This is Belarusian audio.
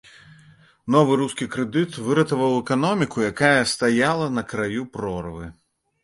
Новы рускі крэдыт выратаваў эканоміку, якая стаяла на краю прорвы.